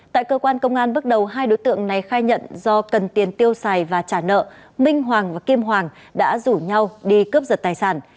tại cơ quan công an bước đầu hai đối tượng này khai nhận do cần tiền tiêu xài và trả nợ minh hoàng và kim hoàng đã rủ nhau đi cướp giật tài sản